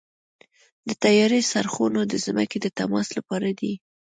د طیارې څرخونه د ځمکې د تماس لپاره دي.